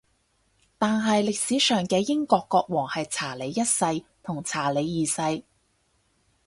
但係歷史上嘅英國國王係查理一世同查理二世